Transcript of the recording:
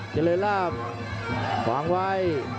เจริญล่าบวางไว